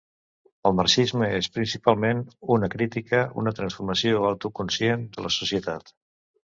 El marxisme és principalment una crítica, una transformació autoconscient de la societat.